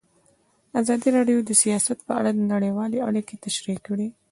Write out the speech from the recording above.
ازادي راډیو د سیاست په اړه نړیوالې اړیکې تشریح کړي.